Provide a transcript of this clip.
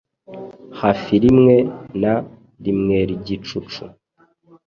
Hafirimwe na rimweIgicucu